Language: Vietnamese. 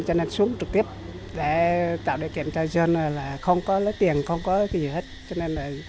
cho nên xuống trực tiếp để tạo điều kiện cho dươn là không có lấy tiền không có gì hết